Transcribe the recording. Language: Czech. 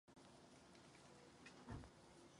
Právě proto je tento způsob velmi neefektivní.